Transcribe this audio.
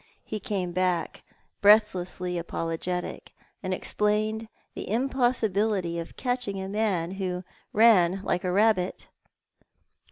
He came back, bieathlossly apologetic, and explained the impossibility of catching a man who ran liko a rabbit.